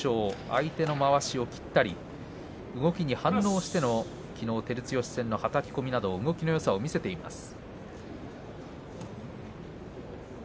相手のまわしを切ったり動きに反応しての、きのう照強戦のはたき込みなど動きのよさを見せています。